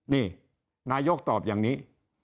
นี่นายกตอบอย่างนี้